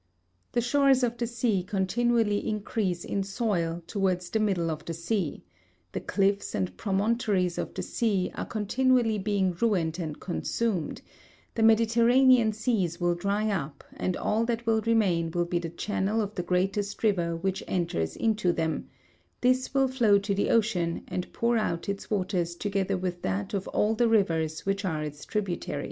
The shores of the sea continually increase in soil, towards the middle of the sea; the cliffs and promontories of the sea are continually being ruined and consumed; the mediterranean seas will dry up and all that will remain will be the channel of the greatest river which enters into them; this will flow to the ocean and pour out its waters together with that of all the rivers which are its tributaries.